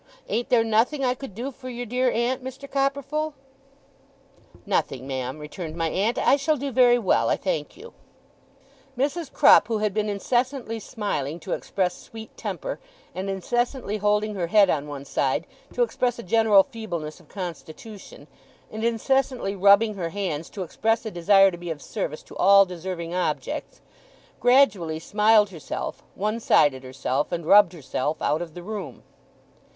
Ain't there nothing I could do for your dear aunt, Mr. Copperfull?' 'Nothing, ma'am,' returned my aunt. 'I shall do very well, I thank you.' Mrs. Crupp, who had been incessantly smiling to express sweet temper, and incessantly holding her head on one side, to express a general feebleness of constitution, and incessantly rubbing her hands, to express a desire to be of service to all deserving objects, gradually smiled herself, one sided herself, and rubbed herself, out of the room.